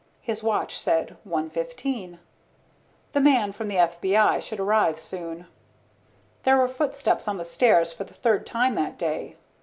His watch said one fifteen. The man from the FBI should arrive soon. There were footsteps on the stairs for the third time that day.